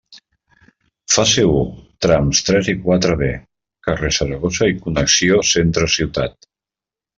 Fase u, trams tres i quatre B, carrer Saragossa i connexió centre ciutat.